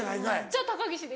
じゃあ高岸です。